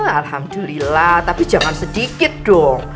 alhamdulillah tapi jangan sedikit dong